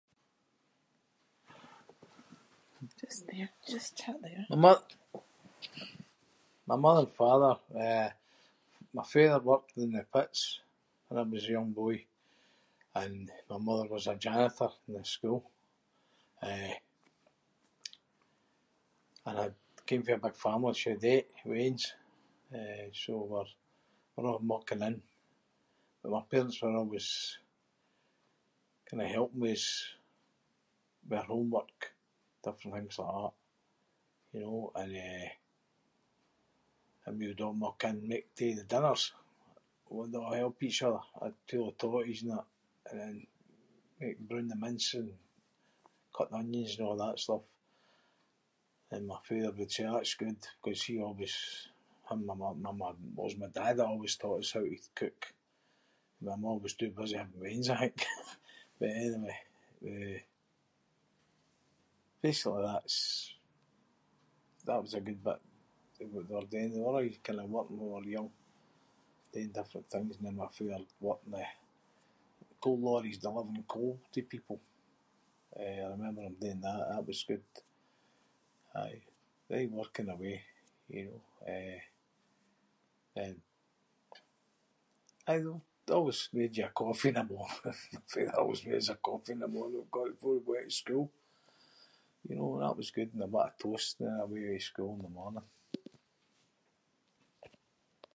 [inc] My mo- my mother and father. Eh, my father worked doon the pits when I was a young boy and my mother was a janitor in the school. Eh, and I came fae a big family. She had eight weans. Eh, so we’re- we're a’ mucking in. But my parents were always kinda helping with us with oor homework. Different things like that, you know. And eh, and we would a’ muck in and make too the dinners. We’d a’ help each other. I’d peel the totties and that and then make- broon the mince and cut the onions and a’ that stuff. And my father would say “that’s good” ‘cause he always- him and my mum- my mu- well it was my dad that always taught us how to cook. Ma maw was too busy having weans, I think. But anyway, we- basically that’s- that was a good bit [inc]. They were aie kinda working when we were young doing different things and then my father worked in the coal lorries delivering coal to people. Eh, I remember him doing that. That was good. Aye, aie working away, you know. Eh, then- aye, they- they always made you a coffee in the morning. My father always made us a coffee in the morning [inc] before we went to school, you know. That was good- and a bit of toast and away to school in the morning.